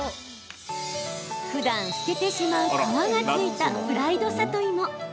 ふだん捨ててしまう皮が付いたフライド里芋。